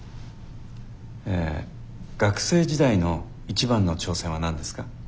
え学生時代の一番の挑戦は何ですか？